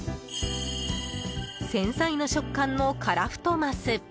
繊細な食感のカラフトマス。